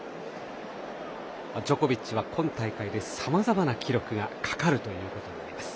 ジョコビッチは今大会で、さまざまな記録がかかるということになります。